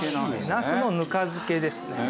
ナスのぬか漬けですね。